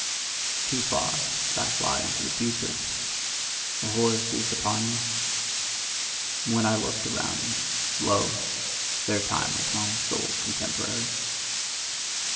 Too far did I fly into the future: a horror seized upon me. And when I looked around me, lo! there time was my sole contemporary.